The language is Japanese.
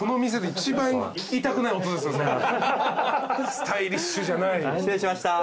スタイリッシュじゃない。